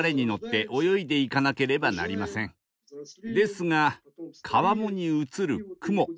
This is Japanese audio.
ですが川面に映る雲